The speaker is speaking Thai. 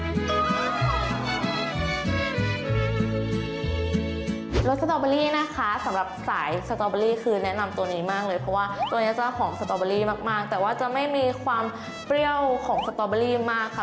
สตอเบอรี่นะคะสำหรับสายสตอเบอรี่คือแนะนำตัวนี้มากเลยเพราะว่าตัวนี้จะหอมสตอเบอรี่มากแต่ว่าจะไม่มีความเปรี้ยวของสตอเบอรี่มากค่ะ